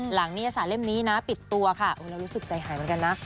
หลังนิยสารเล่มนี้ปิดตัวค่ะแล้วรู้สึกใจหายเหมือนกันนะ